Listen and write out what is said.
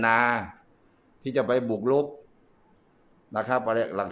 ตอนนี้ก็ไม่มีอัศวินทรีย์